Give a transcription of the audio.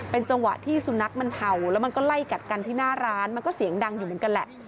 จังหวะที่สุนัขมันเห่าแล้วมันก็ไล่กัดกันที่หน้าร้านมันก็เสียงดังอยู่เหมือนกันแหละ